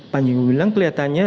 panji gumilang kelihatannya